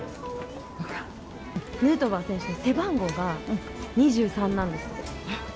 ヌートバー選手の背番号が２３なんです。